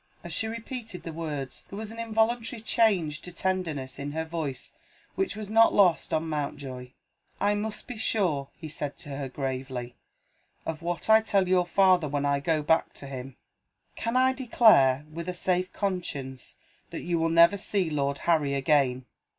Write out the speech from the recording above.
'" As she repeated the words, there was an involuntary change to tenderness in her voice which was not lost on Mountjoy. "I must be sure," he said to her gravely, "of what I tell your father when I go back to him. Can I declare, with a safe conscience, that you will never see Lord Harry again?"